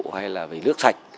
hay là về nước sạch